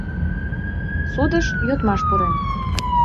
Судыш йодмаш пурен.